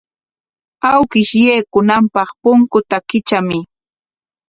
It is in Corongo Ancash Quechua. Awkish yaykunanpaq punkuta kitramuy.